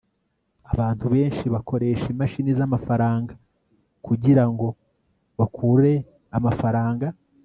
abantu benshi bakoresha imashini zamafaranga kugirango bakure amafaranga